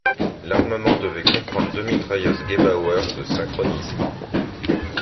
L’armement devait comprendre deux mitrailleuses Gebauer de synchronisées.